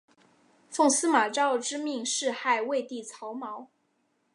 奉司马昭之命弑害魏帝曹髦。